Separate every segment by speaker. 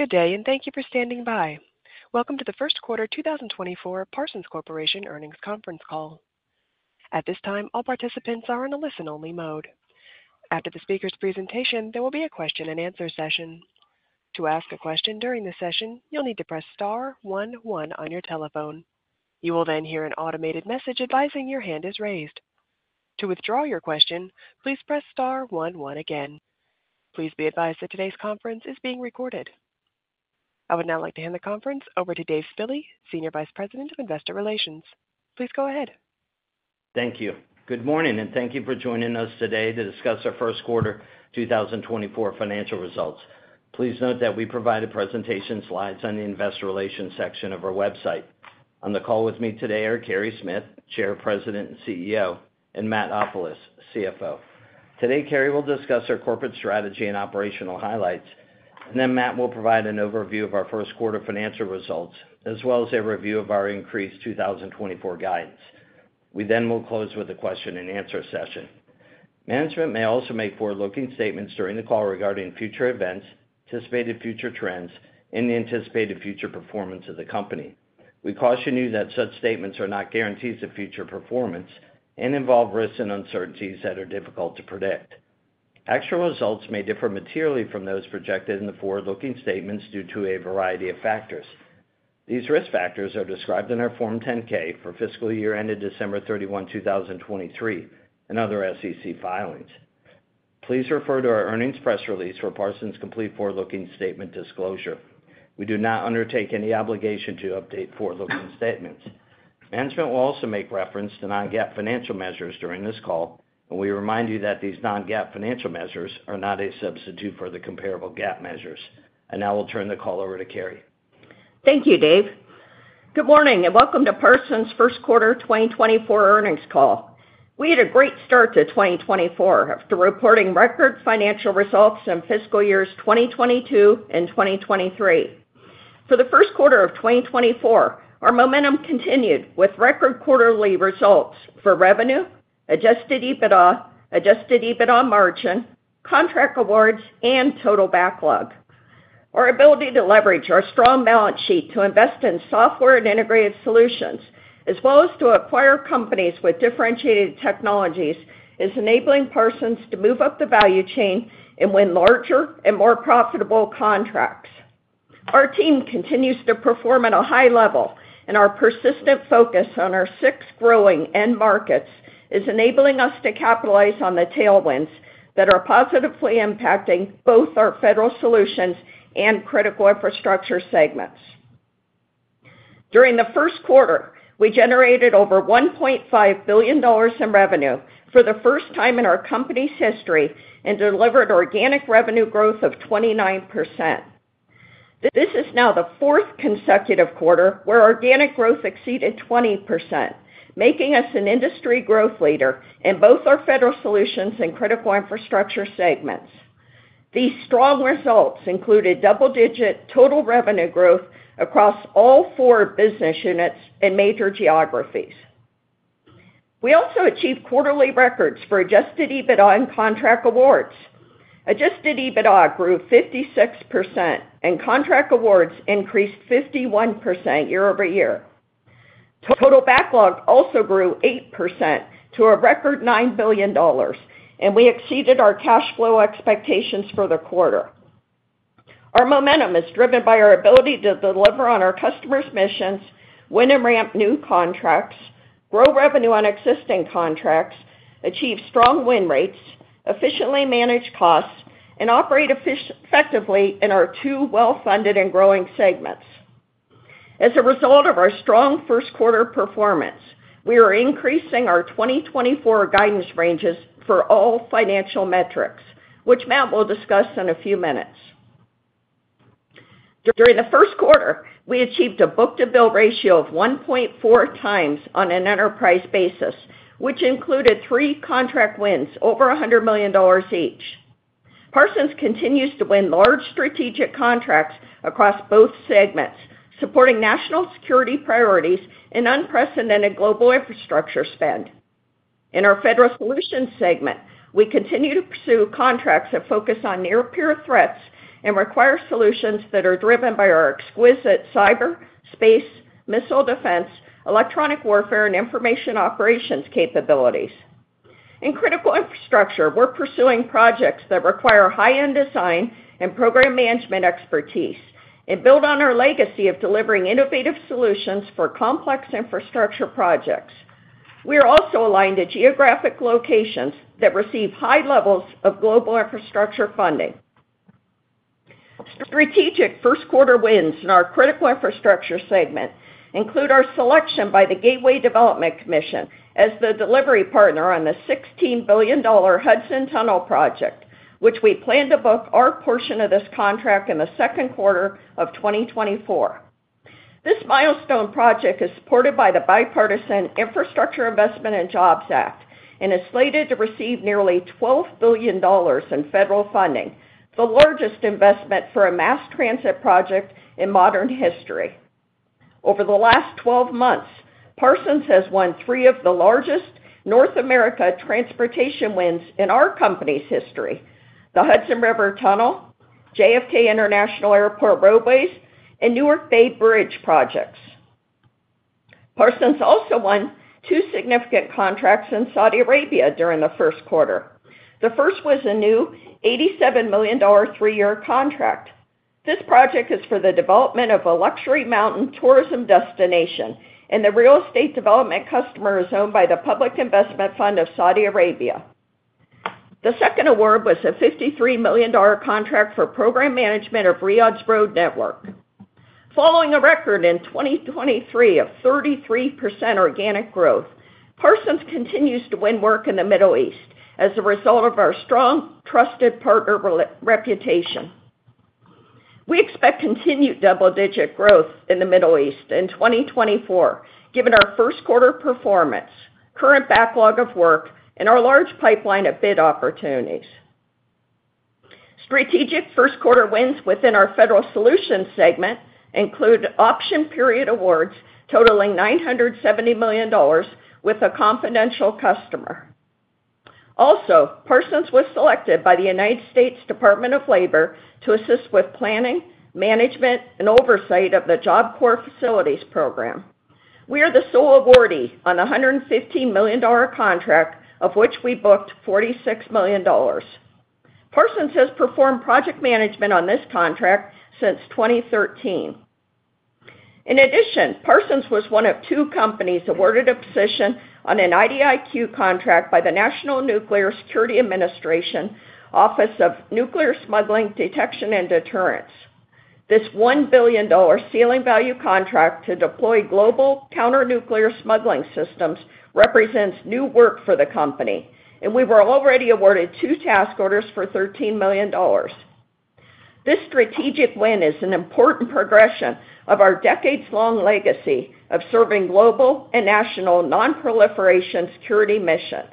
Speaker 1: Good day, and thank you for standing by. Welcome to the first quarter 2024 Parsons Corporation earnings conference call. At this time, all participants are in a listen-only mode. After the speaker's presentation, there will be a question-and-answer session. To ask a question during the session, you'll need to press star one one on your telephone. You will then hear an automated message advising your hand is raised. To withdraw your question, please press star one one again. Please be advised that today's conference is being recorded. I would now like to hand the conference over to Dave Spille, Senior Vice President of Investor Relations. Please go ahead.
Speaker 2: Thank you. Good morning, and thank you for joining us today to discuss our first quarter 2024 financial results. Please note that we provide a presentation slides on the investor relations section of our website. On the call with me today are Carey Smith, Chair, President, and CEO, and Matt Ofilos, CFO. Today, Carey will discuss our corporate strategy and operational highlights, and then Matt will provide an overview of our first quarter financial results as well as a review of our increased 2024 guidance. We then will close with a question-and-answer session. Management may also make forward-looking statements during the call regarding future events, anticipated future trends, and the anticipated future performance of the company. We caution you that such statements are not guarantees of future performance and involve risks and uncertainties that are difficult to predict. Actual results may differ materially from those projected in the forward-looking statements due to a variety of factors. These risk factors are described in our Form 10-K for fiscal year ended December 31, 2023, and other SEC filings. Please refer to our earnings press release for Parsons' complete forward-looking statement disclosure. We do not undertake any obligation to update forward-looking statements. Management will also make reference to non-GAAP financial measures during this call, and we remind you that these non-GAAP financial measures are not a substitute for the comparable GAAP measures. And now we'll turn the call over to Carey.
Speaker 3: Thank you, Dave. Good morning, and welcome to Parsons' first quarter 2024 earnings call. We had a great start to 2024 through reporting record financial results in fiscal years 2022 and 2023. For the first quarter of 2024, our momentum continued with record quarterly results for revenue, Adjusted EBITDA, Adjusted EBITDA margin, contract awards, and total backlog. Our ability to leverage our strong balance sheet to invest in software and integrated solutions as well as to acquire companies with differentiated technologies is enabling Parsons to move up the value chain and win larger and more profitable contracts. Our team continues to perform at a high level, and our persistent focus on our six growing end markets is enabling us to capitalize on the tailwinds that are positively impacting both our federal solutions and critical infrastructure segments. During the first quarter, we generated over $1.5 billion in revenue for the first time in our company's history and delivered organic revenue growth of 29%. This is now the fourth consecutive quarter where organic growth exceeded 20%, making us an industry growth leader in both our federal solutions and critical infrastructure segments. These strong results included double-digit total revenue growth across all four business units in major geographies. We also achieved quarterly records for adjusted EBITDA and contract awards. Adjusted EBITDA grew 56%, and contract awards increased 51% year-over-year. Total backlog also grew 8% to a record $9 billion, and we exceeded our cash flow expectations for the quarter. Our momentum is driven by our ability to deliver on our customers' missions, win and ramp new contracts, grow revenue on existing contracts, achieve strong win rates, efficiently manage costs, and operate effectively in our two well-funded and growing segments. As a result of our strong first quarter performance, we are increasing our 2024 guidance ranges for all financial metrics, which Matt will discuss in a few minutes. During the first quarter, we achieved a book-to-bill ratio of 1.4x on an enterprise basis, which included 3 contract wins over $100 million each. Parsons continues to win large strategic contracts across both segments, supporting national security priorities and unprecedented global infrastructure spend. In our federal solutions segment, we continue to pursue contracts that focus on near-peer threats and require solutions that are driven by our exquisite cyberspace, missile defense, electronic warfare, and information operations capabilities. In critical infrastructure, we're pursuing projects that require high-end design and program management expertise and build on our legacy of delivering innovative solutions for complex infrastructure projects. We are also aligned to geographic locations that receive high levels of global infrastructure funding. Strategic first quarter wins in our critical infrastructure segment include our selection by the Gateway Development Commission as the delivery partner on the $16 billion Hudson Tunnel Project, which we plan to book our portion of this contract in the second quarter of 2024. This milestone project is supported by the Bipartisan Infrastructure Investment and Jobs Act and is slated to receive nearly $12 billion in federal funding, the largest investment for a mass transit project in modern history. Over the last 12 months, Parsons has won three of the largest North American transportation wins in our company's history: the Hudson Tunnel, JFK International Airport roadways, and Newark Bay Bridge projects. Parsons also won two significant contracts in Saudi Arabia during the first quarter. The first was a new $87 million three-year contract. This project is for the development of a luxury mountain tourism destination, and the real estate development customer is owned by the Public Investment Fund of Saudi Arabia. The second award was a $53 million contract for program management of Riyadh's road network. Following a record in 2023 of 33% organic growth, Parsons continues to win work in the Middle East as a result of our strong, trusted partner reputation. We expect continued double-digit growth in the Middle East in 2024 given our first quarter performance, current backlog of work, and our large pipeline of bid opportunities. Strategic first quarter wins within our federal solutions segment include option period awards totaling $970 million with a confidential customer. Also, Parsons was selected by the United States Department of Labor to assist with planning, management, and oversight of the Job Corps Facilities Program. We are the sole awardee on the $115 million contract, of which we booked $46 million. Parsons has performed project management on this contract since 2013. In addition, Parsons was one of two companies awarded a position on an IDIQ contract by the National Nuclear Security Administration Office of Nuclear Smuggling Detection and Deterrence. This $1 billion ceiling value contract to deploy global counter-nuclear smuggling systems represents new work for the company, and we were already awarded two task orders for $13 million. This strategic win is an important progression of our decades-long legacy of serving global and national non-proliferation security missions.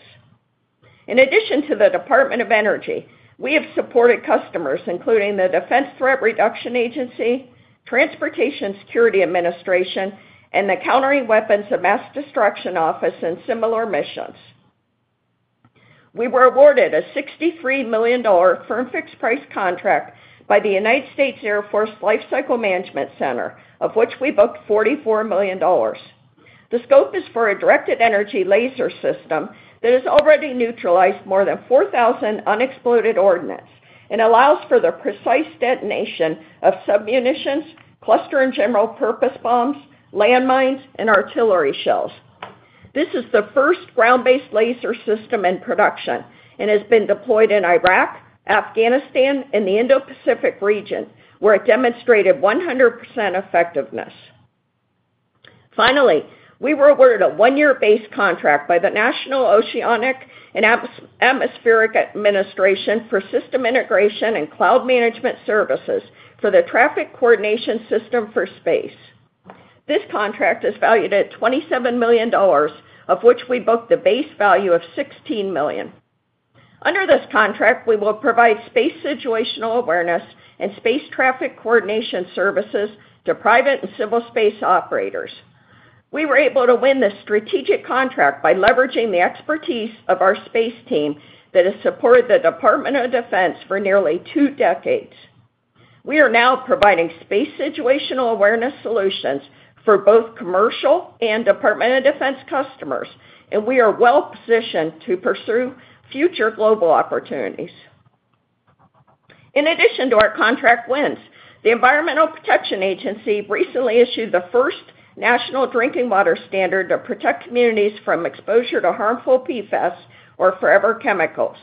Speaker 3: In addition to the Department of Energy, we have supported customers including the Defense Threat Reduction Agency, Transportation Security Administration, and the Countering Weapons of Mass Destruction Office in similar missions. We were awarded a $63 million firm-fixed price contract by the United States Air Force Life Cycle Management Center, of which we booked $44 million. The scope is for a directed energy laser system that has already neutralized more than 4,000 unexploded ordnance and allows for the precise detonation of submunitions, cluster and general-purpose bombs, landmines, and artillery shells. This is the first ground-based laser system in production and has been deployed in Iraq, Afghanistan, and the Indo-Pacific region, where it demonstrated 100% effectiveness. Finally, we were awarded a one-year base contract by the National Oceanic and Atmospheric Administration for System Integration and Cloud Management Services for the Traffic Coordination System for Space. This contract is valued at $27 million, of which we booked the base value of $16 million. Under this contract, we will provide space situational awareness and space traffic coordination services to private and civil space operators. We were able to win this strategic contract by leveraging the expertise of our space team that has supported the Department of Defense for nearly two decades. We are now providing space situational awareness solutions for both commercial and Department of Defense customers, and we are well-positioned to pursue future global opportunities. In addition to our contract wins, the Environmental Protection Agency recently issued the first national drinking water standard to protect communities from exposure to harmful PFAS or forever chemicals.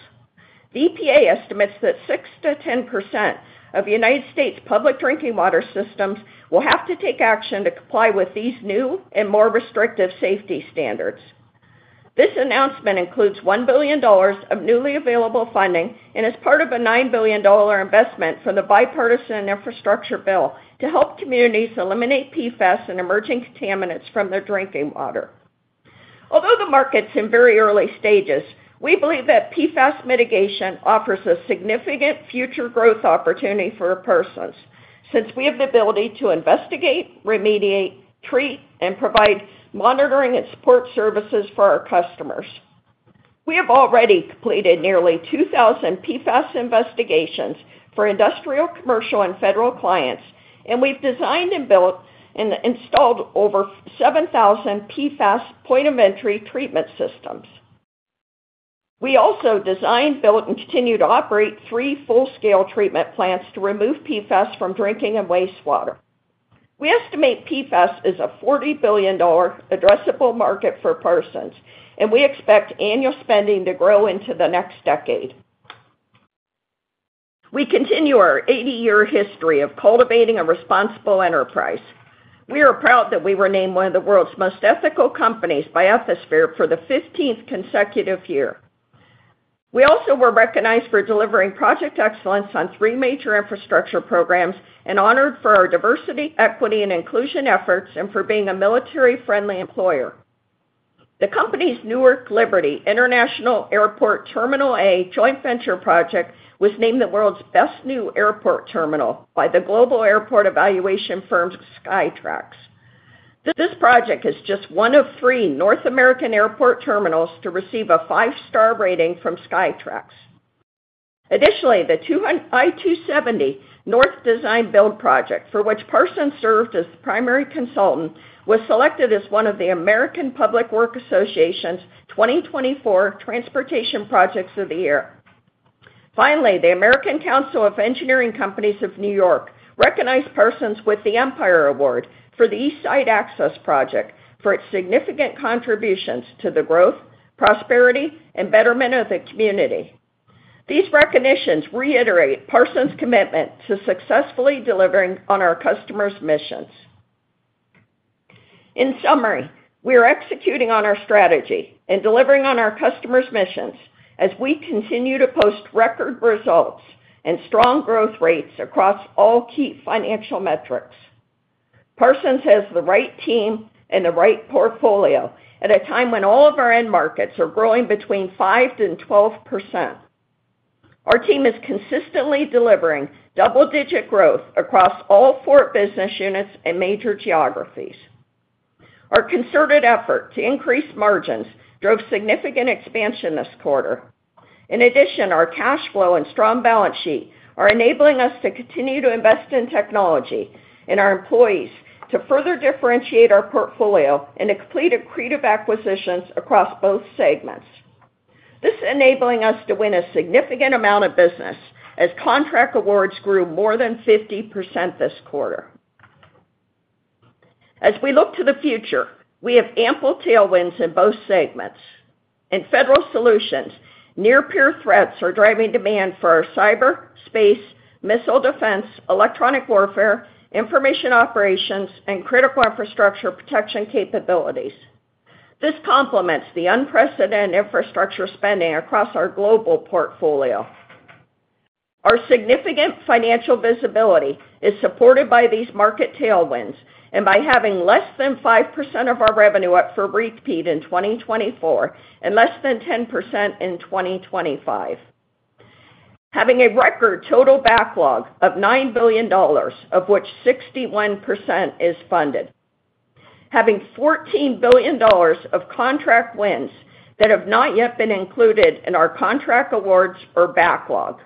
Speaker 3: The EPA estimates that 6%-10% of United States public drinking water systems will have to take action to comply with these new and more restrictive safety standards. This announcement includes $1 billion of newly available funding and is part of a $9 billion investment from the Bipartisan Infrastructure Bill to help communities eliminate PFAS and emerging contaminants from their drinking water. Although the market's in very early stages, we believe that PFAS mitigation offers a significant future growth opportunity for Parsons since we have the ability to investigate, remediate, treat, and provide monitoring and support services for our customers. We have already completed nearly 2,000 PFAS investigations for industrial, commercial, and federal clients, and we've designed, built, and installed over 7,000 PFAS point-of-entry treatment systems. We also designed, built, and continue to operate three full-scale treatment plants to remove PFAS from drinking and wastewater. We estimate PFAS is a $40 billion addressable market for Parsons, and we expect annual spending to grow into the next decade. We continue our 80-year history of cultivating a responsible enterprise. We are proud that we were named one of the world's most ethical companies by Ethisphere for the 15th consecutive year. We also were recognized for delivering project excellence on three major infrastructure programs and honored for our diversity, equity, and inclusion efforts and for being a military-friendly employer. The company's Newark Liberty International Airport Terminal A joint venture project was named the world's best new airport terminal by the global airport evaluation firm Skytrax. This project is just one of three North American airport terminals to receive a five-star rating from Skytrax. Additionally, the I-270 North Design Build project, for which Parsons served as the primary consultant, was selected as one of the American Public Works Association's 2024 Transportation Projects of the Year. Finally, the American Council of Engineering Companies of New York recognized Parsons with the Empire Award for the East Side Access Project for its significant contributions to the growth, prosperity, and betterment of the community. These recognitions reiterate Parsons' commitment to successfully delivering on our customers' missions. In summary, we are executing on our strategy and delivering on our customers' missions as we continue to post record results and strong growth rates across all key financial metrics. Parsons has the right team and the right portfolio at a time when all of our end markets are growing between 5% and 12%. Our team is consistently delivering double-digit growth across all four business units and major geographies. Our concerted effort to increase margins drove significant expansion this quarter. In addition, our cash flow and strong balance sheet are enabling us to continue to invest in technology and our employees to further differentiate our portfolio and to complete accretive acquisitions across both segments. This is enabling us to win a significant amount of business as contract awards grew more than 50% this quarter. As we look to the future, we have ample tailwinds in both segments. In federal solutions, near-peer threats are driving demand for our cyberspace, missile defense, electronic warfare, information operations, and critical infrastructure protection capabilities. This complements the unprecedented infrastructure spending across our global portfolio. Our significant financial visibility is supported by these market tailwinds and by having less than 5% of our revenue up for repeat in 2024 and less than 10% in 2025. Having a record total backlog of $9 billion, of which 61% is funded. Having $14 billion of contract wins that have not yet been included in our contract awards or backlog.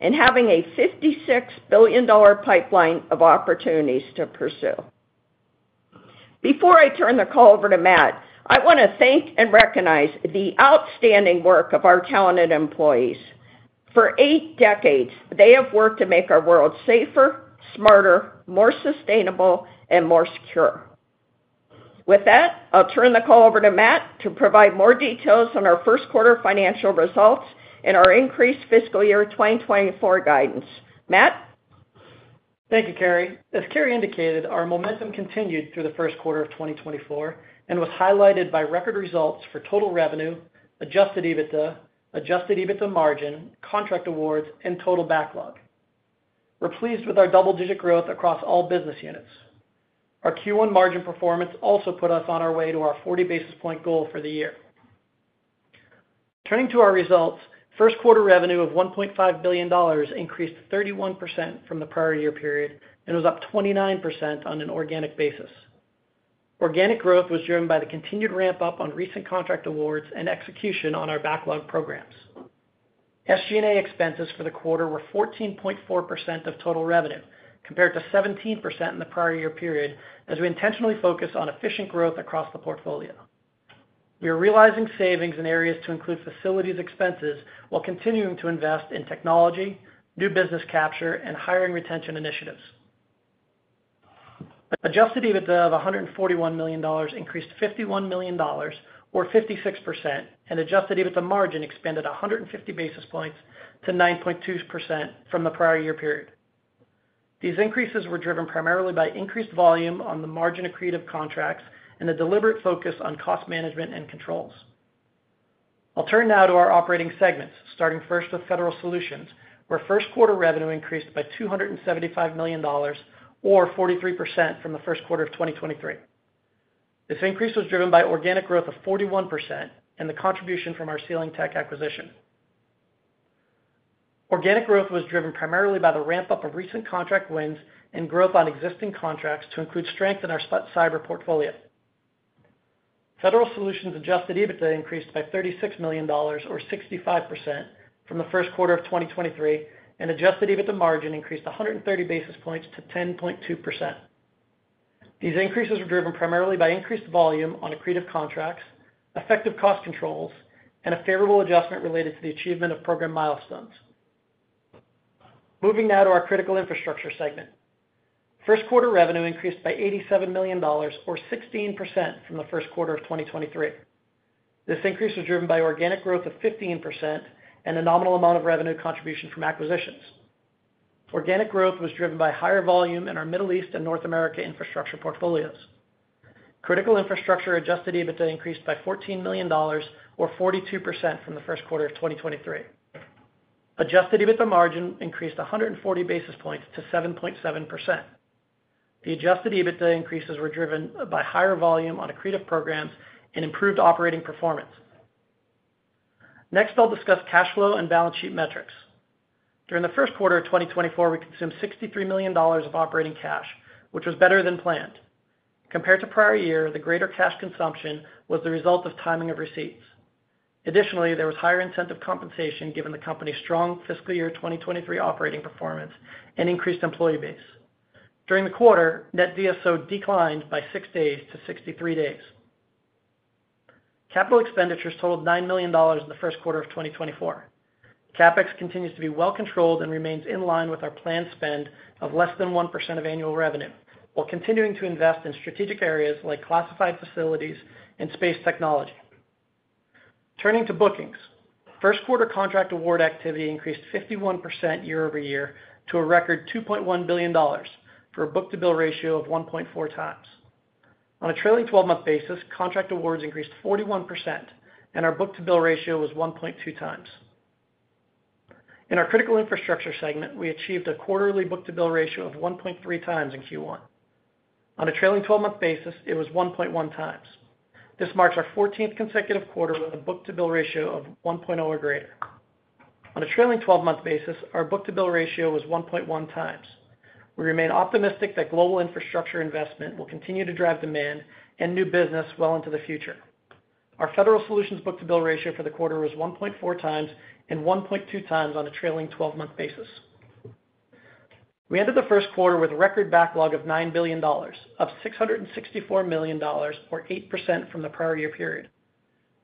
Speaker 3: And having a $56 billion pipeline of opportunities to pursue. Before I turn the call over to Matt, I want to thank and recognize the outstanding work of our talented employees. For eight decades, they have worked to make our world safer, smarter, more sustainable, and more secure. With that, I'll turn the call over to Matt to provide more details on our first quarter financial results and our increased fiscal year 2024 guidance. Matt?
Speaker 4: Thank you, Carey. As Carey indicated, our momentum continued through the first quarter of 2024 and was highlighted by record results for total revenue, Adjusted EBITDA, Adjusted EBITDA margin, contract awards, and total backlog. We're pleased with our double-digit growth across all business units. Our Q1 margin performance also put us on our way to our 40 basis point goal for the year. Turning to our results, first quarter revenue of $1.5 billion increased 31% from the prior year period and was up 29% on an organic basis. Organic growth was driven by the continued ramp-up on recent contract awards and execution on our backlog programs. SG&A expenses for the quarter were 14.4% of total revenue, compared to 17% in the prior year period, as we intentionally focused on efficient growth across the portfolio. We are realizing savings in areas to include facilities expenses while continuing to invest in technology, new business capture, and hiring retention initiatives. Adjusted EBITDA of $141 million increased $51 million, or 56%, and adjusted EBITDA margin expanded 150 basis points to 9.2% from the prior year period. These increases were driven primarily by increased volume on the margin accretive contracts and a deliberate focus on cost management and controls. I'll turn now to our operating segments, starting first with federal solutions, where first quarter revenue increased by $275 million, or 43%, from the first quarter of 2023. This increase was driven by organic growth of 41% and the contribution from our Sealing Technologies acquisition. Organic growth was driven primarily by the ramp-up of recent contract wins and growth on existing contracts to include strength in our cyber portfolio. Federal solutions' Adjusted EBITDA increased by $36 million, or 65%, from the first quarter of 2023, and Adjusted EBITDA margin increased 130 basis points to 10.2%. These increases were driven primarily by increased volume on accretive contracts, effective cost controls, and a favorable adjustment related to the achievement of program milestones. Moving now to our critical infrastructure segment. First quarter revenue increased by $87 million, or 16%, from the first quarter of 2023. This increase was driven by organic growth of 15% and a nominal amount of revenue contribution from acquisitions. Organic growth was driven by higher volume in our Middle East and North America infrastructure portfolios. Critical infrastructure adjusted EBITDA increased by $14 million, or 42%, from the first quarter of 2023. Adjusted EBITDA margin increased 140 basis points to 7.7%. The adjusted EBITDA increases were driven by higher volume on accretive programs and improved operating performance. Next, I'll discuss cash flow and balance sheet metrics. During the first quarter of 2024, we consumed $63 million of operating cash, which was better than planned. Compared to prior year, the greater cash consumption was the result of timing of receipts. Additionally, there was higher incentive compensation given the company's strong fiscal year 2023 operating performance and increased employee base. During the quarter, net DSO declined by six days to 63 days. Capital expenditures totaled $9 million in the first quarter of 2024. CapEx continues to be well-controlled and remains in line with our planned spend of less than 1% of annual revenue while continuing to invest in strategic areas like classified facilities and space technology. Turning to bookings. First quarter contract award activity increased 51% year-over-year to a record $2.1 billion for a book-to-bill ratio of 1.4x. On a trailing 12-month basis, contract awards increased 41%, and our book-to-bill ratio was 1.2x. In our critical infrastructure segment, we achieved a quarterly book-to-bill ratio of 1.3x in Q1. On a trailing 12-month basis, it was 1.1x. This marks our 14th consecutive quarter with a book-to-bill ratio of 1.0 or greater. On a trailing 12-month basis, our book-to-bill ratio was 1.1x. We remain optimistic that global infrastructure investment will continue to drive demand and new business well into the future. Our federal solutions' book-to-bill ratio for the quarter was 1.4x and 1.2x on a trailing 12-month basis. We ended the first quarter with a record backlog of $9 billion, up $664 million, or 8% from the prior year period.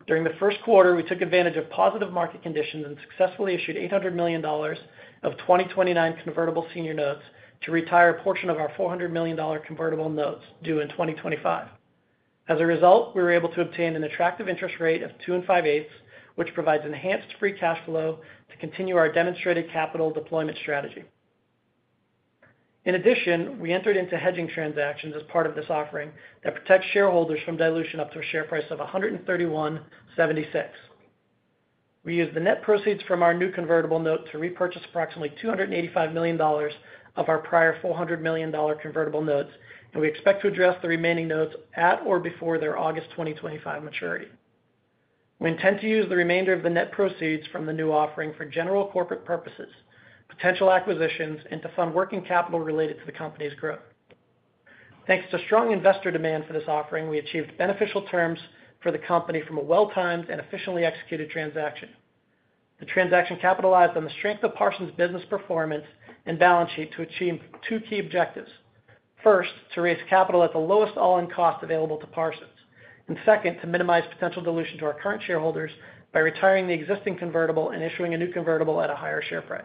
Speaker 4: During the first quarter, we took advantage of positive market conditions and successfully issued $800 million of 2029 convertible senior notes to retire a portion of our $400 million convertible notes due in 2025. As a result, we were able to obtain an attractive interest rate of 2.58%, which provides enhanced free cash flow to continue our demonstrated capital deployment strategy. In addition, we entered into hedging transactions as part of this offering that protects shareholders from dilution up to a share price of $131.76. We used the net proceeds from our new convertible note to repurchase approximately $285 million of our prior $400 million convertible notes, and we expect to address the remaining notes at or before their August 2025 maturity. We intend to use the remainder of the net proceeds from the new offering for general corporate purposes, potential acquisitions, and to fund working capital related to the company's growth. Thanks to strong investor demand for this offering, we achieved beneficial terms for the company from a well-timed and efficiently executed transaction. The transaction capitalized on the strength of Parsons' business performance and balance sheet to achieve two key objectives: first, to raise capital at the lowest all-in cost available to Parsons; and second, to minimize potential dilution to our current shareholders by retiring the existing convertible and issuing a new convertible at a higher share price.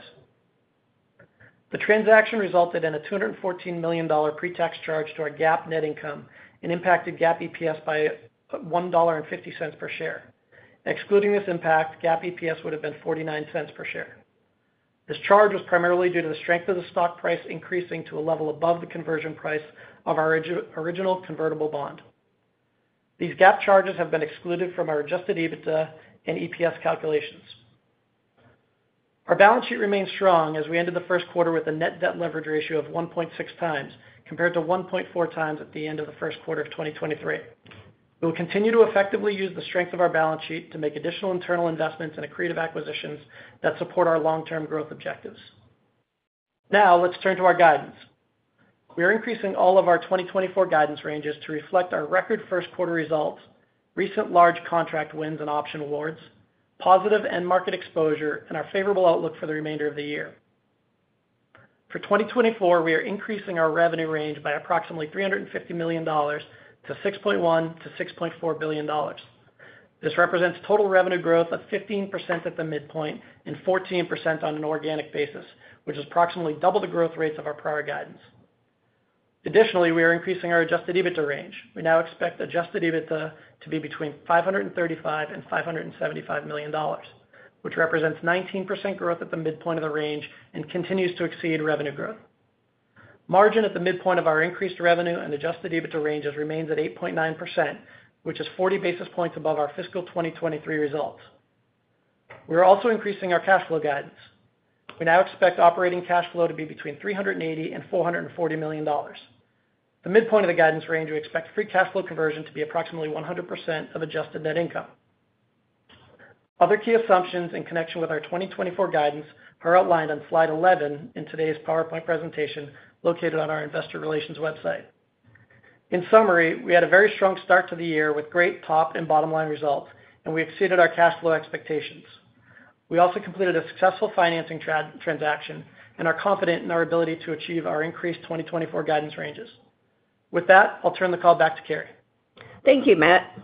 Speaker 4: The transaction resulted in a $214 million pre-tax charge to our GAAP net income and impacted GAAP EPS by $1.50 per share. Excluding this impact, GAAP EPS would have been $0.49 per share. This charge was primarily due to the strength of the stock price increasing to a level above the conversion price of our original convertible bond. These GAAP charges have been excluded from our Adjusted EBITDA and EPS calculations. Our balance sheet remains strong as we ended the first quarter with a net debt leverage ratio of 1.6x, compared to 1.4x at the end of the first quarter of 2023. We will continue to effectively use the strength of our balance sheet to make additional internal investments and accretive acquisitions that support our long-term growth objectives. Now, let's turn to our guidance. We are increasing all of our 2024 guidance ranges to reflect our record first quarter results, recent large contract wins and option awards, positive end market exposure, and our favorable outlook for the remainder of the year. For 2024, we are increasing our revenue range by approximately $350 million to $6.1 billion-$6.4 billion. This represents total revenue growth of 15% at the midpoint and 14% on an organic basis, which is approximately double the growth rates of our prior guidance. Additionally, we are increasing our Adjusted EBITDA range. We now expect Adjusted EBITDA to be between $535 and $575 million, which represents 19% growth at the midpoint of the range and continues to exceed revenue growth. Margin at the midpoint of our increased revenue and Adjusted EBITDA ranges remains at 8.9%, which is 40 basis points above our fiscal 2023 results. We are also increasing our cash flow guidance. We now expect operating cash flow to be between $380 million-$440 million. At the midpoint of the guidance range, we expect free cash flow conversion to be approximately 100% of adjusted net income. Other key assumptions in connection with our 2024 guidance are outlined on slide 11 in today's PowerPoint presentation located on our investor relations website. In summary, we had a very strong start to the year with great top and bottom line results, and we exceeded our cash flow expectations. We also completed a successful financing transaction, and we are confident in our ability to achieve our increased 2024 guidance ranges. With that, I'll turn the call back to Carey.
Speaker 3: Thank you, Matt.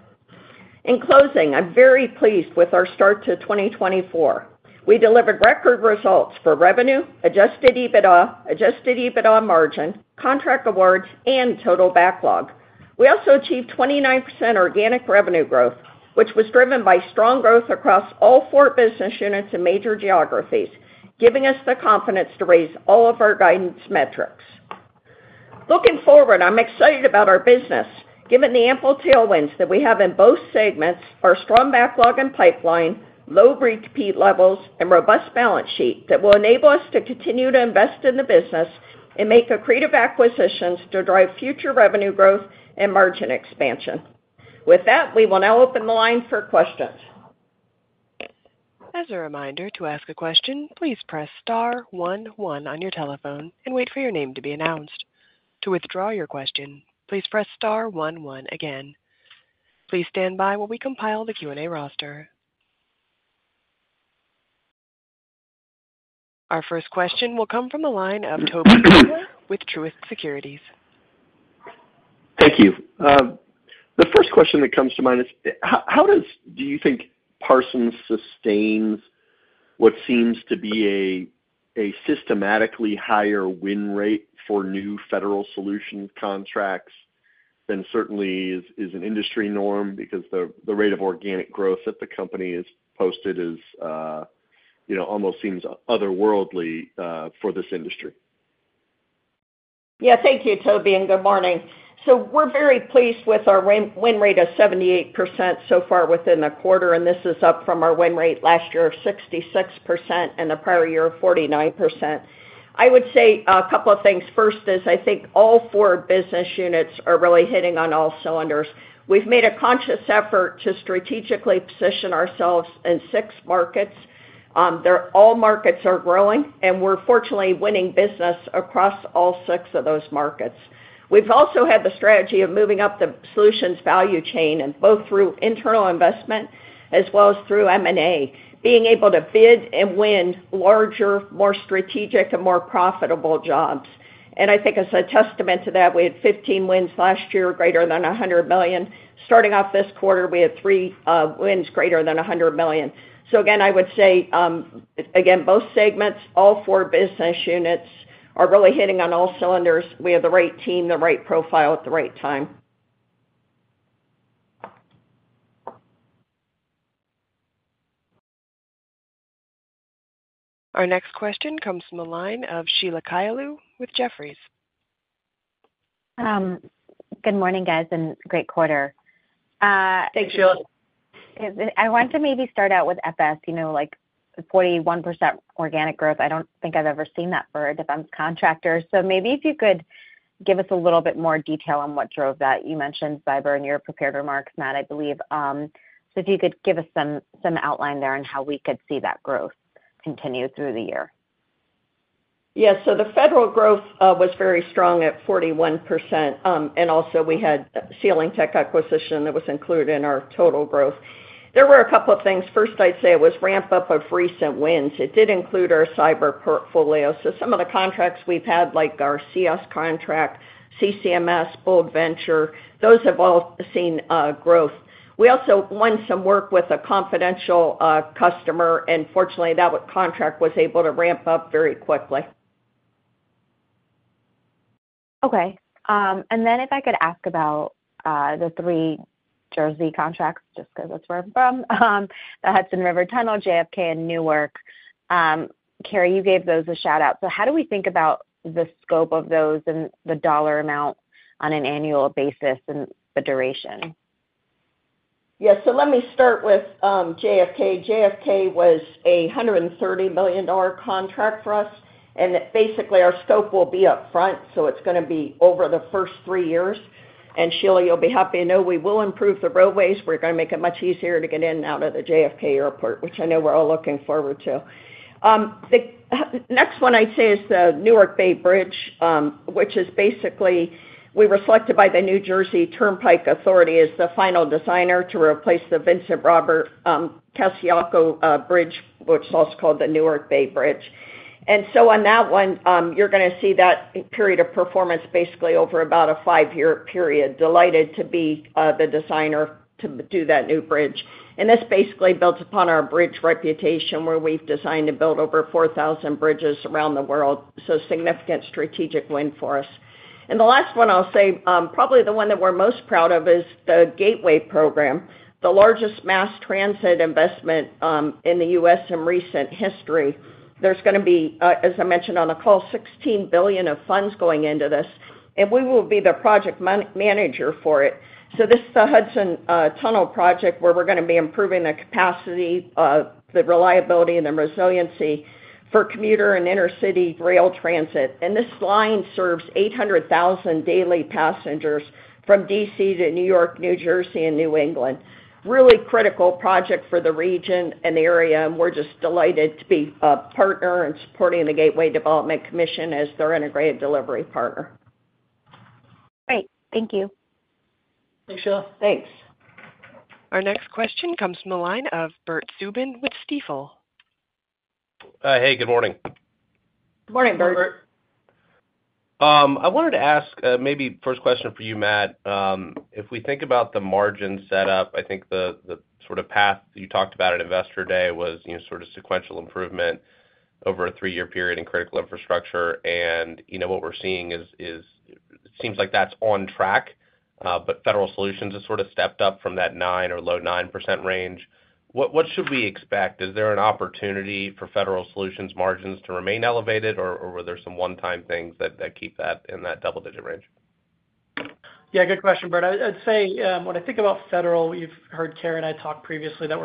Speaker 3: In closing, I'm very pleased with our start to 2024. We delivered record results for revenue, adjusted EBITDA, adjusted EBITDA margin, contract awards, and total backlog. We also achieved 29% organic revenue growth, which was driven by strong growth across all four business units in major geographies, giving us the confidence to raise all of our guidance metrics. Looking forward, I'm excited about our business given the ample tailwinds that we have in both segments, our strong backlog and pipeline, low repeat levels, and robust balance sheet that will enable us to continue to invest in the business and make accretive acquisitions to drive future revenue growth and margin expansion. With that, we will now open the line for questions.
Speaker 1: As a reminder, to ask a question, please press star one one on your telephone and wait for your name to be announced. To withdraw your question, please press star one one again. Please stand by while we compile the Q&A roster. Our first question will come from the line of Tobey Sommer with Truist Securities.
Speaker 5: Thank you. The first question that comes to mind is, how do you think Parsons sustains what seems to be a systematically higher win rate for new federal solutions contracts than certainly is an industry norm because the rate of organic growth that the company has posted almost seems otherworldly for this industry?
Speaker 3: Yeah, thank you, Tobey, and good morning. So we're very pleased with our win rate of 78% so far within the quarter, and this is up from our win rate last year of 66% and the prior year of 49%. I would say a couple of things. First is I think all four business units are really hitting on all cylinders. We've made a conscious effort to strategically position ourselves in 6 markets. All markets are growing, and we're fortunately winning business across all 6 of those markets. We've also had the strategy of moving up the solutions' value chain both through internal investment as well as through M&A, being able to bid and win larger, more strategic, and more profitable jobs. I think as a testament to that, we had 15 wins last year, greater than $100 million. Starting off this quarter, we had 3 wins greater than $100 million. So again, I would say, again, both segments, all 4 business units are really hitting on all cylinders. We have the right team, the right profile at the right time.
Speaker 1: Our next question comes from the line of Sheila Kahyaoglu with Jefferies.
Speaker 6: Good morning, guys, and great quarter. Thanks, Sheila. I want to maybe start out with FS. 41% organic growth. I don't think I've ever seen that for a defense contractor. So maybe if you could give us a little bit more detail on what drove that. You mentioned cyber in your prepared remarks, Matt, I believe. So if you could give us some outline there on how we could see that growth continue through the year.
Speaker 3: Yeah. So the federal growth was very strong at 41%, and also we had Sealing Tech acquisition that was included in our total growth. There were a couple of things. First, I'd say it was ramp-up of recent wins. It did include our cyber portfolio. So some of the contracts we've had, like our CS contract, CCMS, Bold Venture, those have all seen growth. We also won some work with a confidential customer, and fortunately, that contract was able to ramp up very quickly.
Speaker 6: Okay. And then if I could ask about the three Jersey contracts, just because that's where I'm from, the Hudson River Tunnel, JFK, and Newark, Carey, you gave those a shout-out. So how do we think about the scope of those and the dollar amount on an annual basis and the duration?
Speaker 3: Yeah. So let me start with JFK. JFK was a $130 million contract for us, and basically, our scope will be upfront, so it's going to be over the first three years. And Sheila, you'll be happy to know we will improve the roadways. We're going to make it much easier to get in and out of the JFK Airport, which I know we're all looking forward to. The next one, I'd say, is the Newark Bay Bridge, which is basically we were selected by the New Jersey Turnpike Authority as the final designer to replace the Vincent R. Casciano Memorial Bridge, which is also called the Newark Bay Bridge. So on that one, you're going to see that period of performance basically over about a five-year period, delighted to be the designer to do that new bridge. And this basically builds upon our bridge reputation where we've designed to build over 4,000 bridges around the world. So significant strategic win for us. And the last one I'll say, probably the one that we're most proud of, is the Gateway program, the largest mass transit investment in the U.S. in recent history. There's going to be, as I mentioned on the call, $16 billion of funds going into this, and we will be the project manager for it. So this is the Hudson Tunnel Project where we're going to be improving the capacity, the reliability, and the resiliency for commuter and intercity rail transit. This line serves 800,000 daily passengers from DC to New York, New Jersey, and New England. Really critical project for the region and the area, and we're just delighted to be a partner in supporting the Gateway Development Commission as their integrated delivery partner.
Speaker 6: Great. Thank you.
Speaker 2: Thanks, Sheila.
Speaker 1: Thanks. Our next question comes from the line of Bert Subin with Stifel.
Speaker 7: Hey, good morning.
Speaker 3: Good morning, Bert.
Speaker 7: I wanted to ask maybe first question for you, Matt. If we think about the margin setup, I think the sort of path you talked about at Investor Day was sort of sequential improvement over a three-year period in critical infrastructure, and what we're seeing is it seems like that's on track, but federal solutions have sort of stepped up from that 9% or low 9% range. What should we expect? Is there an opportunity for federal solutions' margins to remain elevated, or were there some one-time things that keep that in that double-digit range?
Speaker 4: Yeah, good question, Bert. I'd say when I think about federal, you've heard Carey and I talk previously that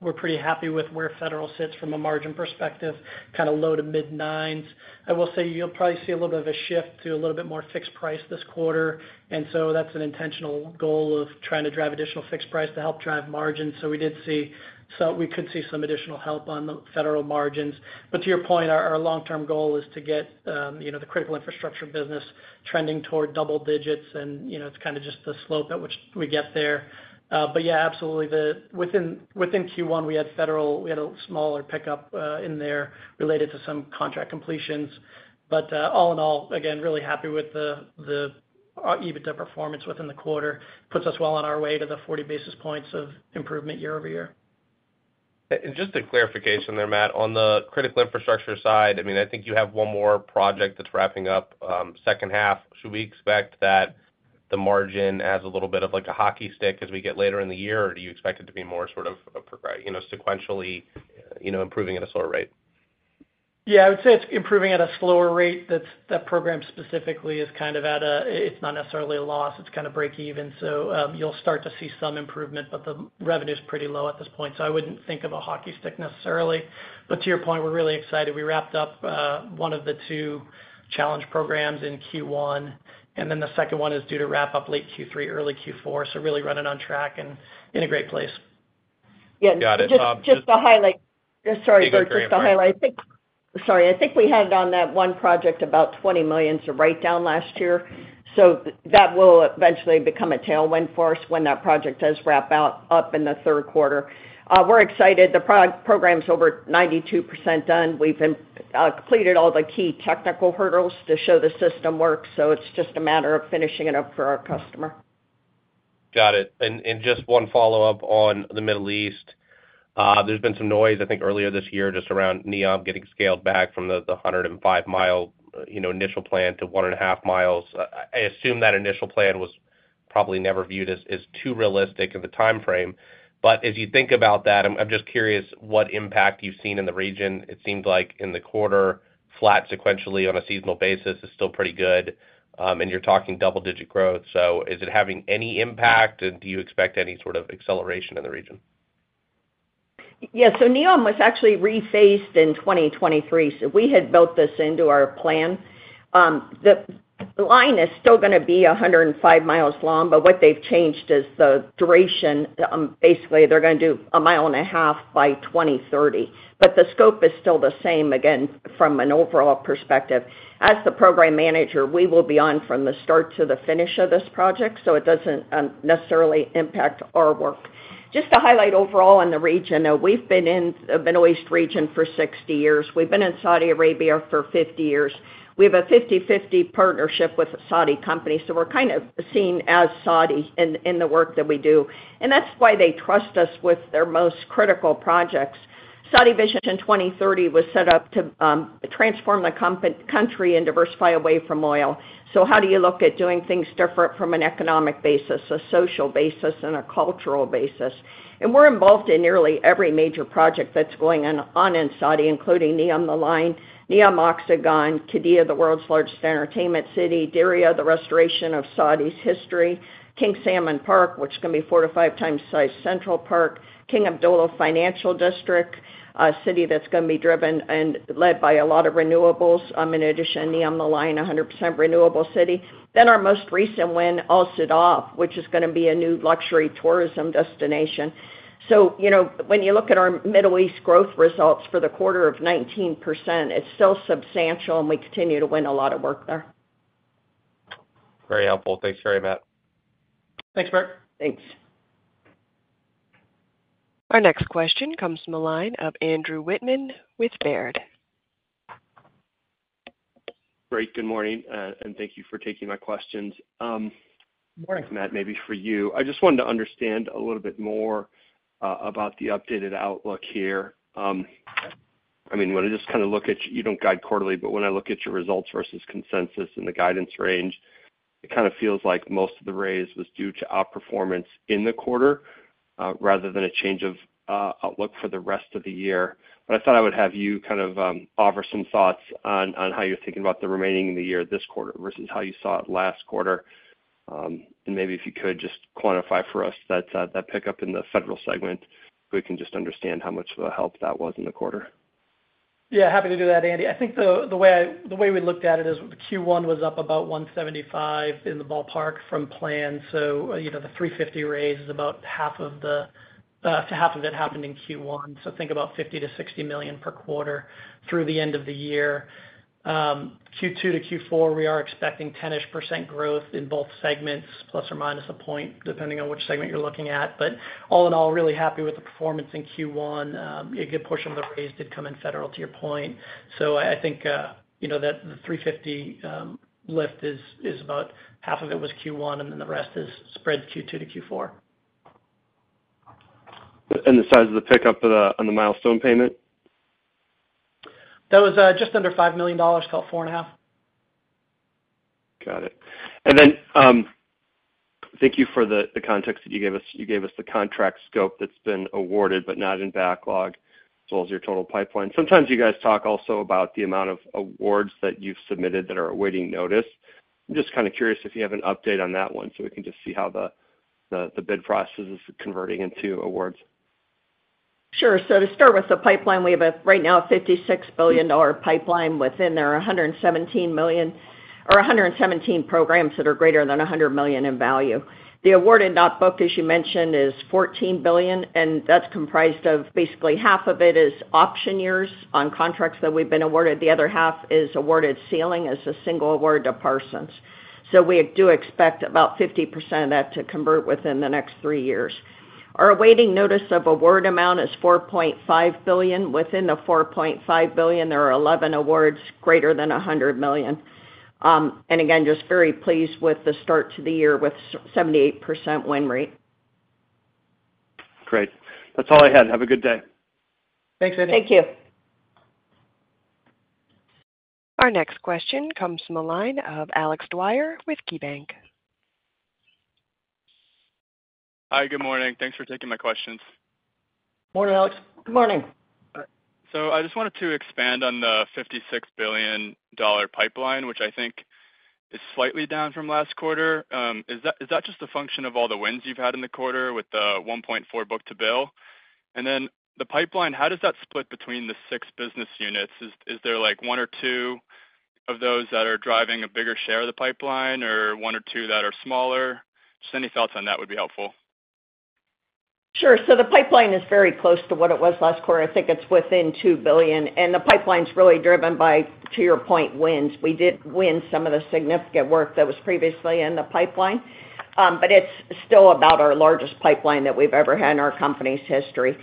Speaker 4: we're pretty happy with where federal sits from a margin perspective, kind of low- to mid-9%. I will say you'll probably see a little bit of a shift to a little bit more fixed price this quarter, and so that's an intentional goal of trying to drive additional fixed price to help drive margins. So we did see, so we could see some additional help on the federal margins. But to your point, our long-term goal is to get the critical infrastructure business trending toward double digits, and it's kind of just the slope at which we get there. But yeah, absolutely, within Q1, we had a smaller pickup in federal related to some contract completions. But all in all, again, really happy with our EBITDA performance within the quarter. Puts us well on our way to the 40 basis points of improvement year-over-year.
Speaker 7: Just a clarification there, Matt, on the critical infrastructure side, I mean, I think you have one more project that's wrapping up. Second half, should we expect that the margin has a little bit of a hockey stick as we get later in the year, or do you expect it to be more sort of sequentially improving at a slower rate?
Speaker 4: Yeah, I would say it's improving at a slower rate. That program specifically is kind of at a, it's not necessarily a loss. It's kind of break-even. So you'll start to see some improvement, but the revenue is pretty low at this point. So I wouldn't think of a hockey stick necessarily. But to your point, we're really excited. We wrapped up one of the two challenge programs in Q1, and then the second one is due to wrap up late Q3, early Q4. So really running on track and in a great place.
Speaker 7: Yeah. Got it.
Speaker 3: Just to highlight sorry, Bert, just to highlight. Sorry, I think we had on that one project about $20 million to write down last year. So that will eventually become a tailwind for us when that project does wrap up in the third quarter. We're excited. The program's over 92% done. We've completed all the key technical hurdles to show the system works, so it's just a matter of finishing it up for our customer.
Speaker 7: Got it. And just one follow-up on the Middle East. There's been some noise, I think, earlier this year just around NEOM getting scaled back from the 105-mile initial plan to 1.5 miles. I assume that initial plan was probably never viewed as too realistic in the timeframe. But as you think about that, I'm just curious what impact you've seen in the region. It seemed like in the quarter, flat sequentially on a seasonal basis is still pretty good, and you're talking double-digit growth. So is it having any impact, and do you expect any sort of acceleration in the region?
Speaker 6: Yeah. So NEOM was actually rephased in 2023. So we had built this into our plan. The Line is still going to be 105 miles long, but what they've changed is the duration. Basically, they're going to do 1.5 miles by 2030. But the scope is still the same, again, from an overall perspective. As the program manager, we will be on from the start to the finish of this project, so it doesn't necessarily impact our work. Just to highlight overall in the region, though, we've been in the Middle East region for 60 years. We've been in Saudi Arabia for 50 years. We have a 50/50 partnership with Saudi companies, so we're kind of seen as Saudi in the work that we do. And that's why they trust us with their most critical projects. Saudi Vision 2030 was set up to transform the country and diversify away from oil. So how do you look at doing things different from an economic basis, a social basis, and a cultural basis? And we're involved in nearly every major project that's going on in Saudi, including NEOM The Line, NEOM Oxagon, Qiddiya, the world's largest entertainment city, Diriyah, the restoration of Saudi's history, King Salman Park, which is going to be 4x -5x the size of Central Park, King Abdullah Financial District, a city that's going to be driven and led by a lot of renewables. In addition, NEOM The Line, 100% renewable city. Then our most recent win, Soudah, which is going to be a new luxury tourism destination. So when you look at our Middle East growth results for the quarter of 19%, it's still substantial, and we continue to win a lot of work there.
Speaker 7: Very helpful. Thanks very much.
Speaker 4: Thanks, Bert.
Speaker 3: Thanks.
Speaker 1: Our next question comes from the line of Andrew Wittmann with Baird. Great. Good morning, and thank you for taking my questions.
Speaker 8: Good morning, Matt. Maybe for you, I just wanted to understand a little bit more about the updated outlook here. I mean, when I just kind of look at you don't guide quarterly, but when I look at your results versus consensus and the guidance range, it kind of feels like most of the raise was due to outperformance in the quarter rather than a change of outlook for the rest of the year. But I thought I would have you kind of offer some thoughts on how you're thinking about the remaining of the year this quarter versus how you saw it last quarter. And maybe if you could just quantify for us that pickup in the federal segment, we can just understand how much of a help that was in the quarter.
Speaker 4: Yeah, happy to do that, Andy. I think the way we looked at it is Q1 was up about $175 million in the ballpark from plan. So the $350 million raise is about half of the half of it happened in Q1. So think about $50 million-$60 million per quarter through the end of the year. Q2 to Q4, we are expecting 10-ish% growth in both segments, plus or minus a point, depending on which segment you're looking at. But all in all, really happy with the performance in Q1. A good portion of the raise did come in federal, to your point. So I think that the $350 million lift is about half of it was Q1, and then the rest is spread Q2 to Q4.
Speaker 8: And the size of the pickup on the milestone payment?
Speaker 4: That was just under $5 million. It's called $4.5 million.
Speaker 8: Got it. And then thank you for the context that you gave us. You gave us the contract scope that's been awarded but not in backlog, as well as your total pipeline. Sometimes you guys talk also about the amount of awards that you've submitted that are awaiting notice. I'm just kind of curious if you have an update on that one so we can just see how the bid process is converting into awards.
Speaker 3: Sure. So to start with the pipeline, we have right now a $56 billion pipeline within there, 117 million or 117 programs that are greater than $100 million in value. The awarded not-booked, as you mentioned, is $14 billion, and that's comprised of basically half of it is option years on contracts that we've been awarded. The other half is awarded ceiling as a single award to Parsons. So we do expect about 50% of that to convert within the next three years. Our awaiting notice of award amount is $4.5 billion. Within the $4.5 billion, there are 11 awards greater than $100 million. And again, just very pleased with the start to the year with 78% win rate.
Speaker 8: Great. That's all I had. Have a good day.
Speaker 4: Thanks, Andy.
Speaker 3: Thank you.
Speaker 1: Our next question comes from the line of Alex Dwyer with KeyBanc.
Speaker 9: Hi. Good morning. Thanks for taking my questions.
Speaker 4: Morning, Alex.
Speaker 3: Good morning.
Speaker 9: So I just wanted to expand on the $56 billion pipeline, which I think is slightly down from last quarter. Is that just a function of all the wins you've had in the quarter with the 1.4 book-to-bill? And then the pipeline, how does that split between the six business units? Is there one or two of those that are driving a bigger share of the pipeline or one or two that are smaller? Just any thoughts on that would be helpful.
Speaker 3: Sure. So the pipeline is very close to what it was last quarter. I think it's within $2 billion. And the pipeline's really driven by, to your point, wins. We did win some of the significant work that was previously in the pipeline, but it's still about our largest pipeline that we've ever had in our company's history.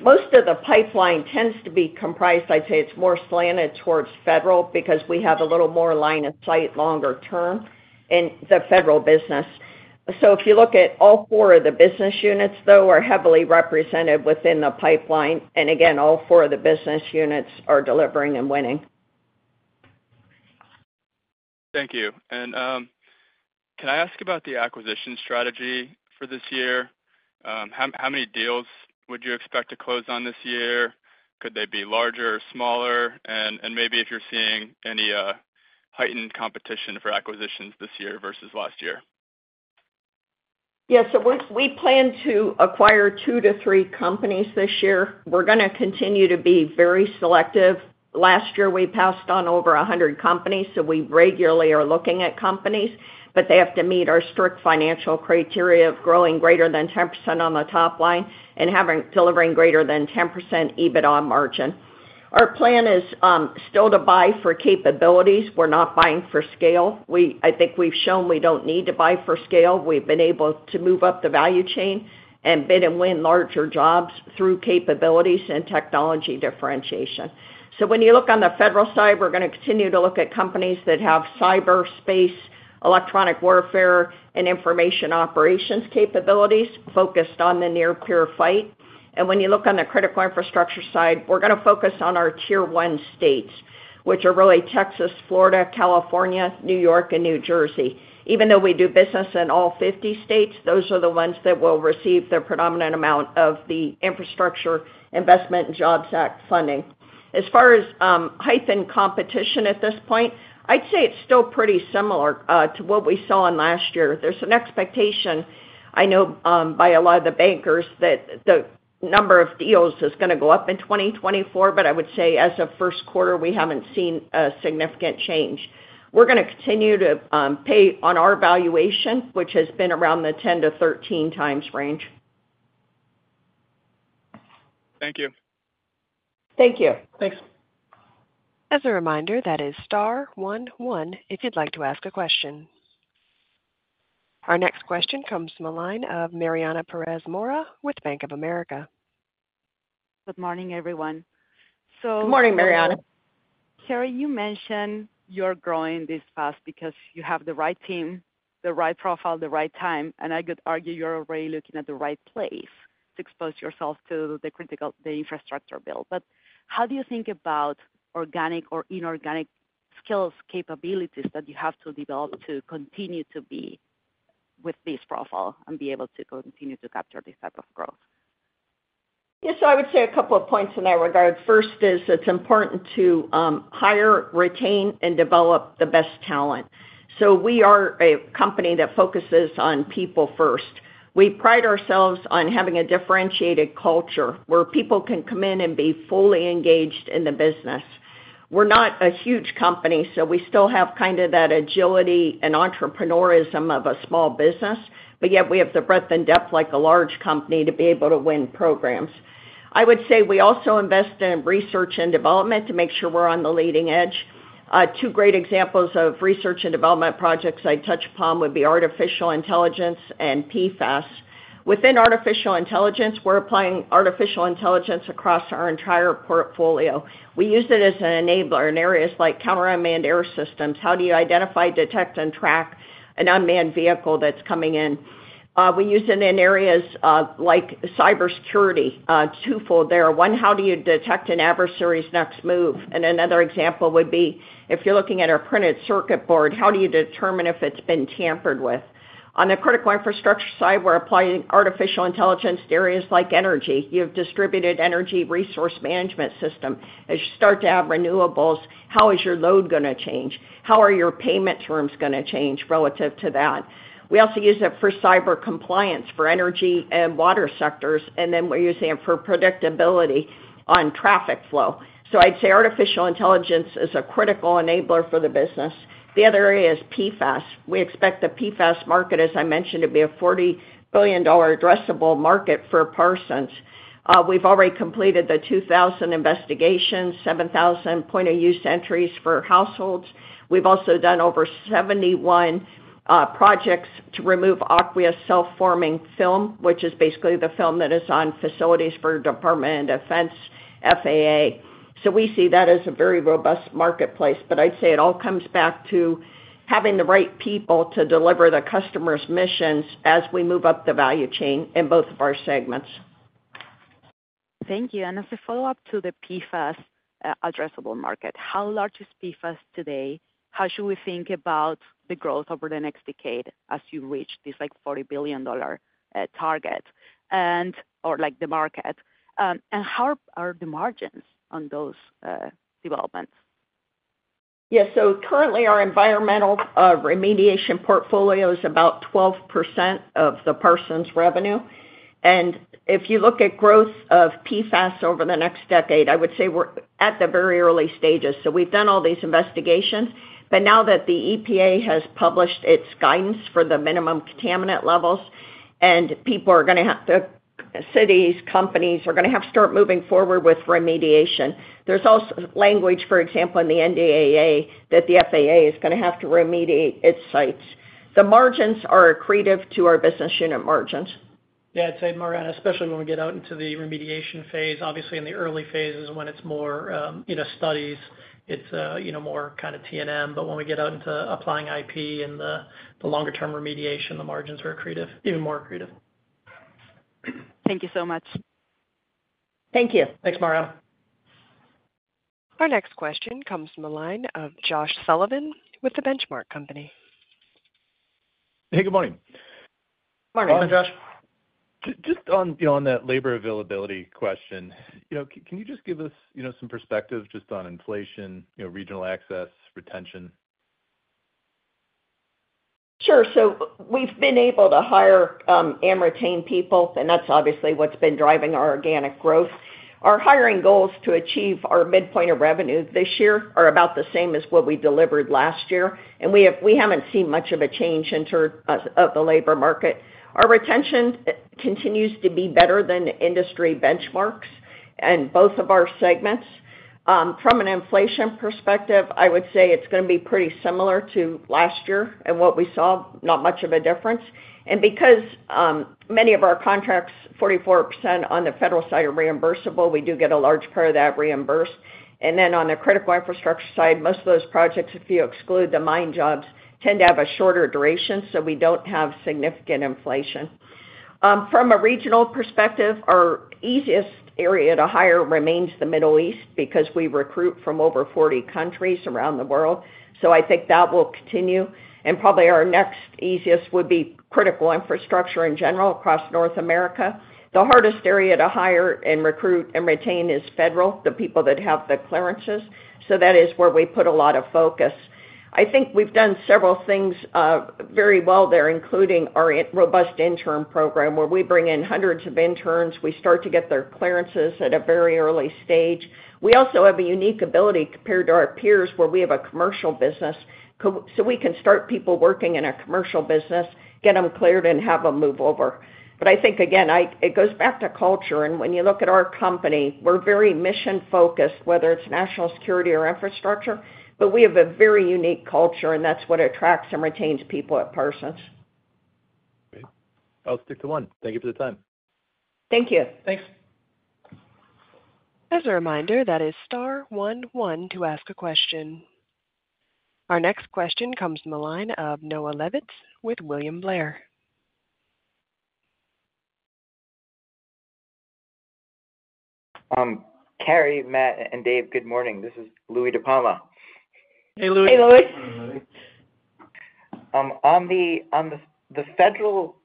Speaker 3: Most of the pipeline tends to be comprised. I'd say it's more slanted towards federal because we have a little more line of sight longer term in the federal business. So if you look at all four of the business units, though, are heavily represented within the pipeline. And again, all four of the business units are delivering and winning.
Speaker 9: Thank you. Can I ask about the acquisition strategy for this year? How many deals would you expect to close on this year? Could they be larger or smaller? And maybe if you're seeing any heightened competition for acquisitions this year versus last year.
Speaker 3: Yeah. We plan to acquire 2-3 companies this year. We're going to continue to be very selective. Last year, we passed on over 100 companies, so we regularly are looking at companies, but they have to meet our strict financial criteria of growing greater than 10% on the top line and delivering greater than 10% EBITDA on margin. Our plan is still to buy for capabilities. We're not buying for scale. I think we've shown we don't need to buy for scale. We've been able to move up the value chain and bid and win larger jobs through capabilities and technology differentiation. So when you look on the federal side, we're going to continue to look at companies that have cyberspace, electronic warfare, and information operations capabilities focused on the near-peer fight. When you look on the critical infrastructure side, we're going to focus on our Tier 1 states, which are really Texas, Florida, California, New York, and New Jersey. Even though we do business in all 50 states, those are the ones that will receive the predominant amount of the Infrastructure Investment and Jobs Act funding. As far as hype and competition at this point, I'd say it's still pretty similar to what we saw in last year. There's an expectation, I know, by a lot of the bankers that the number of deals is going to go up in 2024, but I would say as of first quarter, we haven't seen a significant change. We're going to continue to pay on our valuation, which has been around the 10x-13x range.
Speaker 9: Thank you.
Speaker 3: Thank you.
Speaker 4: Thanks.
Speaker 1: As a reminder, that is STAR 11 if you'd like to ask a question. Our next question comes from the line of Mariana Perez Mora with Bank of America.
Speaker 10: Good morning, everyone. So. Good morning, Mariana. Carey, you mentioned you're growing this fast because you have the right team, the right profile, the right time. And I could argue you're already looking at the right place to expose yourself to the infrastructure bill. But how do you think about organic or inorganic skills, capabilities that you have to develop to continue to be with this profile and be able to continue to capture this type of growth?
Speaker 3: Yeah. So I would say a couple of points in that regard. First, it's important to hire, retain, and develop the best talent. So we are a company that focuses on people first. We pride ourselves on having a differentiated culture where people can come in and be fully engaged in the business. We're not a huge company, so we still have kind of that agility and entrepreneurism of a small business, but yet we have the breadth and depth like a large company to be able to win programs. I would say we also invest in research and development to make sure we're on the leading edge. Two great examples of research and development projects I'd touch upon would be artificial intelligence and PFAS. Within artificial intelligence, we're applying artificial intelligence across our entire portfolio. We use it as an enabler in areas like counter-unmanned air systems. How do you identify, detect, and track an unmanned vehicle that's coming in? We use it in areas like cybersecurity, twofold there. One, how do you detect an adversary's next move? And another example would be, if you're looking at a printed circuit board, how do you determine if it's been tampered with? On the critical infrastructure side, we're applying artificial intelligence to areas like energy. You have distributed energy resource management system. As you start to have renewables, how is your load going to change? How are your payment terms going to change relative to that? We also use it for cyber compliance for energy and water sectors, and then we're using it for predictability on traffic flow. So I'd say artificial intelligence is a critical enabler for the business. The other area is PFAS. We expect the PFAS market, as I mentioned, to be a $40 billion addressable market for Parsons. We've already completed the 2,000 investigations, 7,000 point-of-use entries for households. We've also done over 71 projects to remove aqueous film-forming foam, which is basically the film that is on facilities for Department of Defense, FAA. So we see that as a very robust marketplace. But I'd say it all comes back to having the right people to deliver the customer's missions as we move up the value chain in both of our segments.
Speaker 10: Thank you. And as a follow-up to the PFAS addressable market, how large is PFAS today? How should we think about the growth over the next decade as you reach this $40 billion target or the market? And how are the margins on those developments?
Speaker 3: Yeah. So currently, our environmental remediation portfolio is about 12% of the Parsons revenue. And if you look at growth of PFAS over the next decade, I would say we're at the very early stages. So we've done all these investigations. But now that the EPA has published its guidance for the minimum contaminant levels and people are going to have the cities, companies are going to have to start moving forward with remediation, there's also language, for example, in the NDAA that the FAA is going to have to remediate its sites. The margins are accretive to our business unit margins.
Speaker 4: Yeah. I'd say, Mariana, especially when we get out into the remediation phase, obviously, in the early phases when it's more studies, it's more kind of T&M. But when we get out into applying IP and the longer-term remediation, the margins are accretive, even more accretive.
Speaker 10: Thank you so much.
Speaker 3: Thank you.
Speaker 4: Thanks, Mariana.
Speaker 1: Our next question comes from the line of Josh Sullivan with The Benchmark Company.
Speaker 11: Hey. Good morning.
Speaker 3: Morning.
Speaker 4: Morning, Josh.
Speaker 11: Just on that labor availability question, can you just give us some perspective just on inflation, regional access, retention?
Speaker 3: Sure. So we've been able to hire and retain people, and that's obviously what's been driving our organic growth. Our hiring goals to achieve our midpoint of revenue this year are about the same as what we delivered last year. And we haven't seen much of a change of the labor market. Our retention continues to be better than industry benchmarks in both of our segments. From an inflation perspective, I would say it's going to be pretty similar to last year and what we saw, not much of a difference. Because many of our contracts, 44% on the federal side, are reimbursable, we do get a large part of that reimbursed. Then on the critical infrastructure side, most of those projects, if you exclude the mine jobs, tend to have a shorter duration, so we don't have significant inflation. From a regional perspective, our easiest area to hire remains the Middle East because we recruit from over 40 countries around the world. So I think that will continue. And probably our next easiest would be critical infrastructure in general across North America. The hardest area to hire and recruit and retain is federal, the people that have the clearances. So that is where we put a lot of focus. I think we've done several things very well there, including our robust intern program where we bring in hundreds of interns. We start to get their clearances at a very early stage. We also have a unique ability compared to our peers where we have a commercial business, so we can start people working in a commercial business, get them cleared, and have them move over. But I think, again, it goes back to culture. And when you look at our company, we're very mission-focused, whether it's national security or infrastructure, but we have a very unique culture, and that's what attracts and retains people at Parsons.
Speaker 11: Great. I'll stick to one. Thank you for the time.
Speaker 3: Thank you.
Speaker 4: Thanks.
Speaker 1: As a reminder, that is STAR 11 to ask a question. Our next question comes from the line of Louie DiPalma with William Blair.
Speaker 12: Carey, Matt, and Dave, good morning. This is Louie DiPalma.
Speaker 3: Hey, Louie.
Speaker 4: Hey, Louie.
Speaker 12: On the federal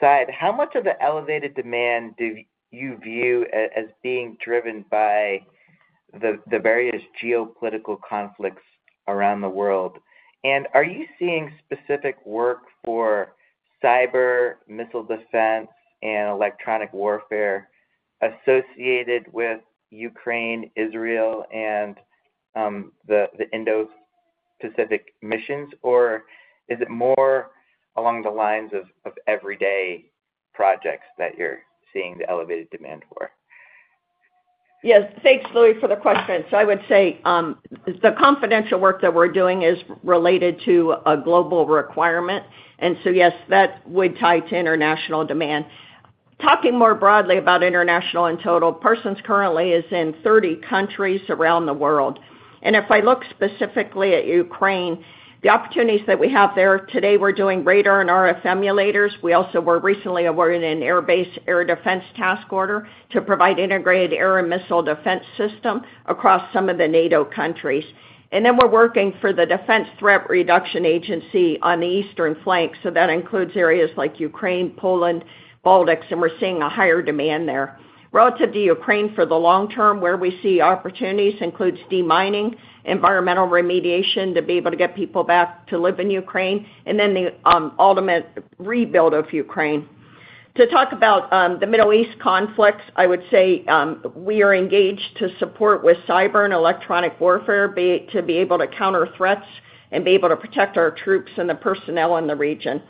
Speaker 12: side, how much of the elevated demand do you view as being driven by the various geopolitical conflicts around the world? And are you seeing specific work for cyber, missile defense, and electronic warfare associated with Ukraine, Israel, and the Indo-Pacific missions? Or is it more along the lines of everyday projects that you're seeing the elevated demand for?
Speaker 3: Yes. Thanks, Louie, for the question. So I would say the confidential work that we're doing is related to a global requirement. And so yes, that would tie to international demand. Talking more broadly about international in total, Parsons currently is in 30 countries around the world. And if I look specifically at Ukraine, the opportunities that we have there today, we're doing radar and RF emulators. We also were recently awarded an Air Base Air Defense task order to provide integrated air and missile defense systems across some of the NATO countries. And then we're working for the Defense Threat Reduction Agency on the eastern flank. So that includes areas like Ukraine, Poland, Baltics, and we're seeing a higher demand there. Relative to Ukraine for the long term, where we see opportunities includes demining, environmental remediation to be able to get people back to live in Ukraine, and then the ultimate rebuild of Ukraine. To talk about the Middle East conflicts, I would say we are engaged to support with cyber and electronic warfare to be able to counter threats and be able to protect our troops and the personnel in the region.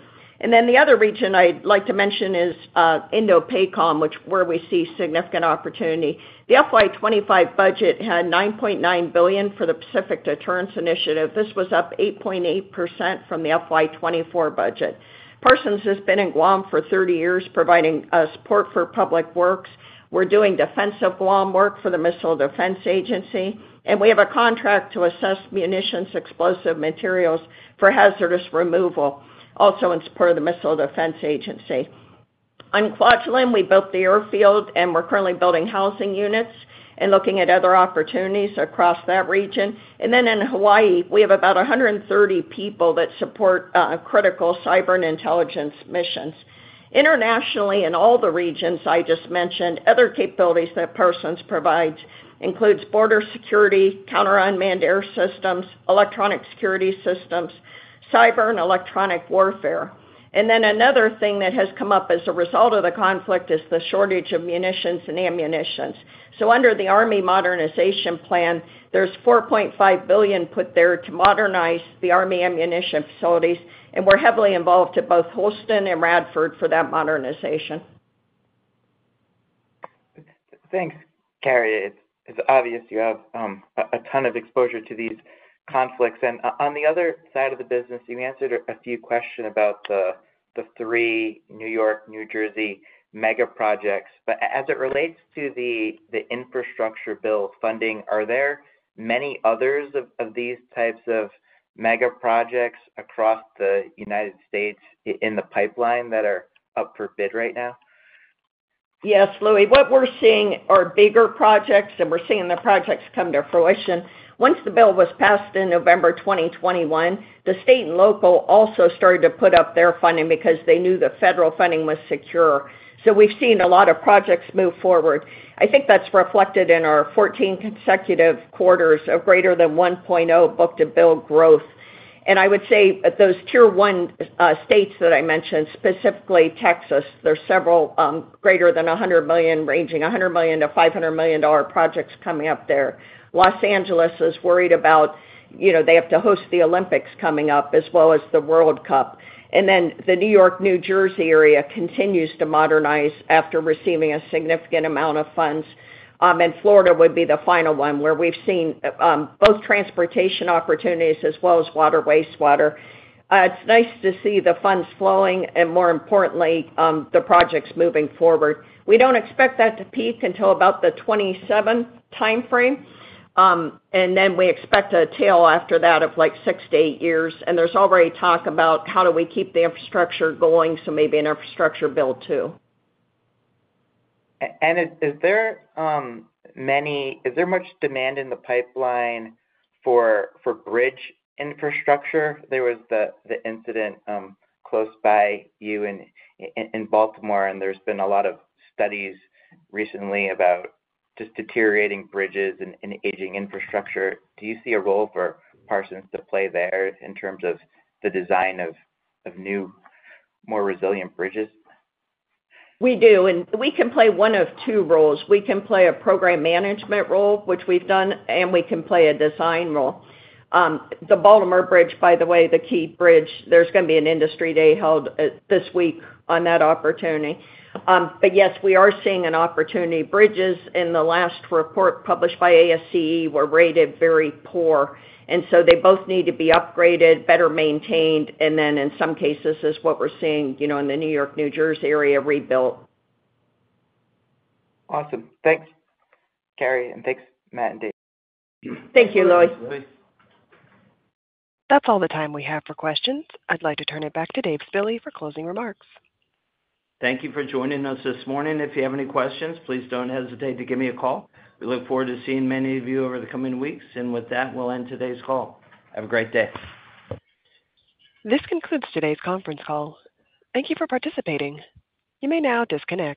Speaker 3: And then the other region I'd like to mention is INDOPACOM, where we see significant opportunity. The FY 2025 budget had $9.9 billion for the Pacific Deterrence Initiative. This was up 8.8% from the FY 2024 budget. Parsons has been in Guam for 30 years providing support for public works. We're doing Defense of Guam work for the Missile Defense Agency. We have a contract to assess munitions, explosive materials for hazardous removal, also in support of the Missile Defense Agency. On Kwajalein, we built the airfield, and we're currently building housing units and looking at other opportunities across that region. Then in Hawaii, we have about 130 people that support critical cyber and intelligence missions. Internationally, in all the regions I just mentioned, other capabilities that Parsons provides include border security, counter-unmanned air systems, electronic security systems, cyber, and electronic warfare. Then another thing that has come up as a result of the conflict is the shortage of munitions and ammunitions. So under the Army Modernization Plan, there's $4.5 billion put there to modernize the Army ammunition facilities. And we're heavily involved at both Holston and Radford for that modernization.
Speaker 12: Thanks, Carey. It's obvious you have a ton of exposure to these conflicts. And on the other side of the business, you answered a few questions about the three New York, New Jersey mega projects. But as it relates to the infrastructure bill funding, are there many others of these types of mega projects across the United States in the pipeline that are up for bid right now?
Speaker 3: Yes, Louie. What we're seeing are bigger projects, and we're seeing the projects come to fruition. Once the bill was passed in November 2021, the state and local also started to put up their funding because they knew the federal funding was secure. So we've seen a lot of projects move forward. I think that's reflected in our 14 consecutive quarters of greater than 1.0 book-to-bill growth. I would say those Tier 1 states that I mentioned, specifically Texas, there's several greater than $100 million, ranging $100 million-$500 million projects coming up there. Los Angeles is worried about they have to host the Olympics coming up as well as the World Cup. Then the New York, New Jersey area continues to modernize after receiving a significant amount of funds. And Florida would be the final one where we've seen both transportation opportunities as well as water, wastewater. It's nice to see the funds flowing and, more importantly, the projects moving forward. We don't expect that to peak until about the 2027 time frame. Then we expect a tail after that of like 6-8 years. And there's already talk about how do we keep the infrastructure going, so maybe an infrastructure bill too.
Speaker 12: And is there much demand in the pipeline for bridge infrastructure? There was the incident close by you in Baltimore, and there's been a lot of studies recently about just deteriorating bridges and aging infrastructure. Do you see a role for Parsons to play there in terms of the design of new, more resilient bridges?
Speaker 3: We do. And we can play one of two roles. We can play a program management role, which we've done, and we can play a design role. The Baltimore Bridge, by the way, the Key Bridge, there's going to be an Industry Day held this week on that opportunity. But yes, we are seeing an opportunity. Bridges in the last report published by ASCE were rated very poor. And so they both need to be upgraded, better maintained, and then in some cases is what we're seeing in the New York, New Jersey area: rebuilt.
Speaker 12: Awesome. Thanks, Carey. And thanks, Matt and Dave.
Speaker 4: Thank you, Louie.
Speaker 1: That's all the time we have for questions. I'd like to turn it back to Dave Spille for closing remarks.
Speaker 2: Thank you for joining us this morning. If you have any questions, please don't hesitate to give me a call. We look forward to seeing many of you over the coming weeks. And with that, we'll end today's call. Have a great day.
Speaker 1: This concludes today's conference call. Thank you for participating. You may now disconnect.